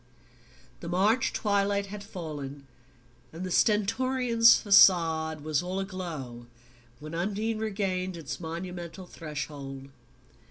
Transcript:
The March twilight had fallen, and the Stentorian facade was all aglow, when Undine regained its monumental threshold.